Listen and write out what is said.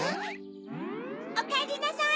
・おかえりなさい。